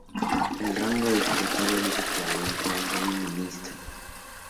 El rango de Secretario es equivalente al de Ministro.